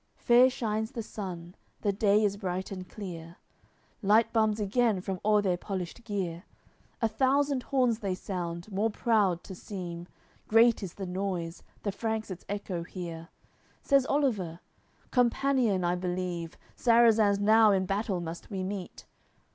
Fair shines the sun, the day is bright and clear, Light bums again from all their polished gear. A thousand horns they sound, more proud to seem; Great is the noise, the Franks its echo hear. Says Oliver: "Companion, I believe, Sarrazins now in battle must we meet."